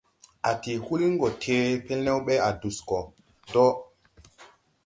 A tee huulin gɔ tee, pelnew bɛ a dus gɔ do.